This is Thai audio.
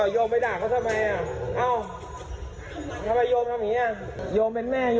สำคัญเถอะ